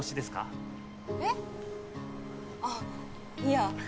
あっいや